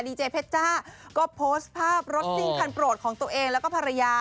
เจเพชจ้าก็โพสต์ภาพรถซิ่งคันโปรดของตัวเองแล้วก็ภรรยา